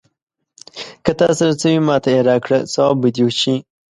که تا سره څه وي، ماته يې راکړه ثواب به دې وشي.